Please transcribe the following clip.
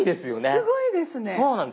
すごいですね。